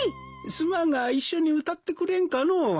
すまんが一緒に歌ってくれんかのう。